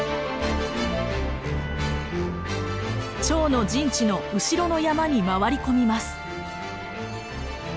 趙の陣地の後ろの山に回り込みます。